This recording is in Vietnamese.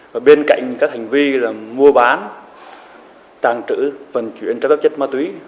và bên cạnh các hành vi là mua bán tàng trữ phần chuyển trái phép chất ma túy